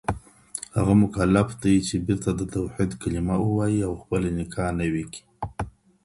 هغه مکلف دی، چي بيرته د توحيد کلمه ووايي او خپله نکاح نوې کړي